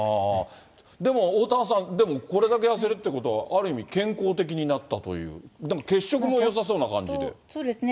でも、おおたわさん、でもこれだけ痩せるってことは、ある意味健康的になったという、そうですね。